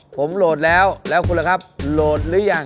ผมโหลดแล้วแล้วคุณล่ะครับโหลดหรือยัง